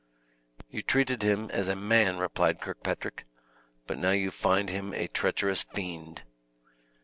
"You treated him as a man," replied Kirkpatrick, "but now you find him a treacherous fiend!"